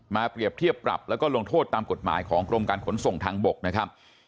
เปรียบเทียบปรับแล้วก็ลงโทษตามกฎหมายของกรมการขนส่งทางบกนะครับ